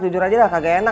jujur aja lah kagak enak